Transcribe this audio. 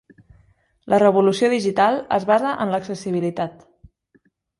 La revolució digital es basa en l'accessibilitat.